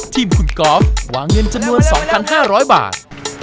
ทีมคุณกอล์ฟวางเงินจำนวน๒๕๐๐บาท